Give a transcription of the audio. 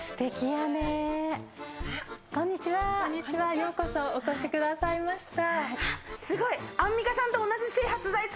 ようこそお越しくださいました。